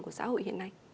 của xã hội hiện nay